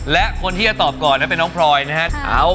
และคนที่จะตอบก่อนนั้นเป็นน้องพลอยนะฮะ